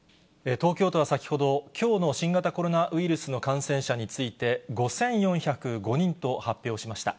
東京都は先ほど、きょうの新型コロナウイルスの感染者について、５４０５人と発表しました。